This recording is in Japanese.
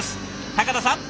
高田さん